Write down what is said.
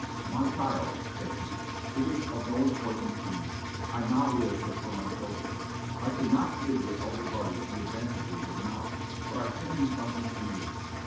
'My child,' said he, 'it is of no importance to me. I now live but for my children. I could not give your elder brothers the advantages of knowledge, but I can do something for you.